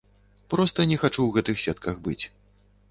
Проста не хачу ў гэтых сетках быць.